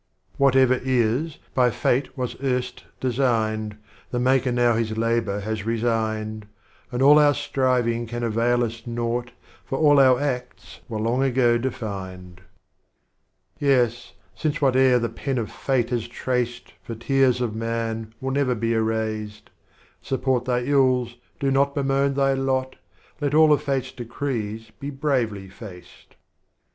III. Whatever is, by Pate was erst designed, The Maker now his Labor has resigned, And all our Striving can avail us Naught, For all our Acts were long ago defined. 38 Strophes of Omar Khayyam. IV. Yes, since wbate'er the Pen of Fate has traced For Tears of Man will never be erased, Support thy Ills, do not bemoan thy Lot, Let all of Fate's Decrees be bravely faced.